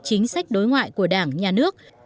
chính sách đối ngoại của đảng nhà nước